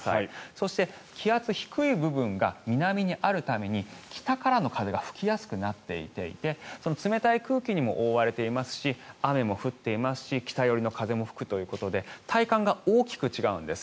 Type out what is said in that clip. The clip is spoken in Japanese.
そして、気圧が低い部分が南にあるために北からの風が吹きやすくなっていて冷たい空気にも覆われていますし雨も降っていますし北寄りの風も吹くということで体感が大きく違うんです。